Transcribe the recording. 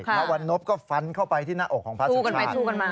พระวันนพก็ฟันเข้าไปที่หน้าอกของพระสุชาติ